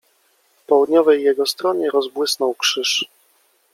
W południowej jego stronie rozbłysnął Krzyż.